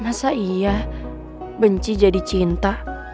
rasa iya benci jadi cinta